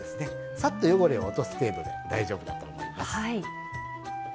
さっと汚れを落とす程度で大丈夫だと思います。